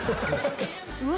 うわ！